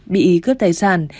bị cướp tài sản